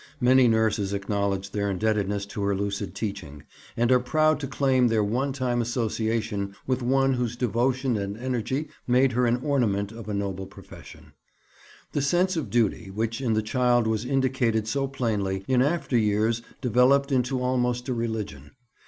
Many nurses acknowledge their indebtedness to her lucid teaching, and are proud to claim their one time association with one whose devotion and energy made her an ornament of a noble profession. The sense of duty, which in the child was indicated so plainly, in after years developed into almost a religion.